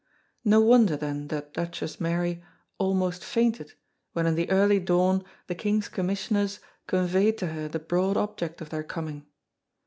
No wonder then that Duchess Mary "almost fainted" when in the early dawn the King's Commissioners conveyed to her the broad object of their coming.